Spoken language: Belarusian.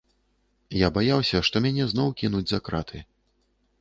Я баяўся, што мяне зноў кінуць за краты.